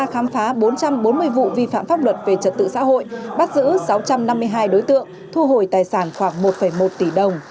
khám phá bốn trăm bốn mươi vụ vi phạm pháp luật về trật tự xã hội bắt giữ sáu trăm năm mươi hai đối tượng thu hồi tài sản khoảng một một tỷ đồng